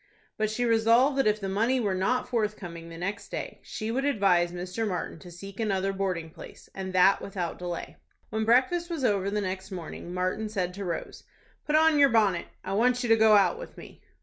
But she resolved that if the money were not forthcoming the next day, she would advise Mr. Martin to seek another boarding place, and that without delay. When breakfast was over the next morning, Martin said to Rose, "Put on your bonnet. I want you to go out with me."